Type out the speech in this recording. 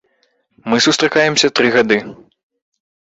Мы сустракаемся тры гады.